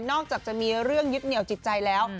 จากจะมีเรื่องยึดเหนียวจิตใจแล้ว